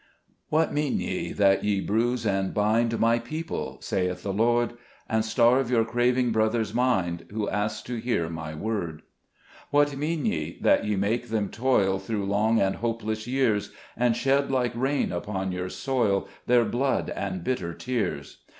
" What mean ye, that ye bruise and bind My people ?" eaith the Lord ;" And starve your craving brother's mind, Who asks to hear my word ? 220 SKETCHES OF SLAVE LIFE. " What mean ye, that ye make them toil Through long and hopeless years; And shed, like rain, upon your soil, Their blood and bitter tears